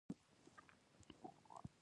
دستې باچا سړی مومن خان ته راولېږه.